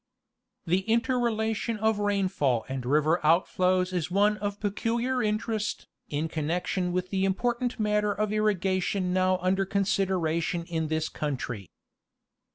The inter relation of rainfall and river outflows is one of pecu liar interest, in connection with the important matter of irriga tion now under consideration in this country.